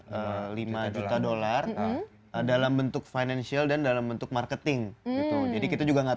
sejumlah lima juta dollar dalam bentuk financial dan dalam bentuk marketing jadi kita juga enggak